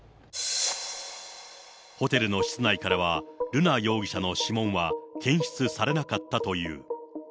ホテルの室内からは瑠奈容疑者の指紋は検出されなかったという。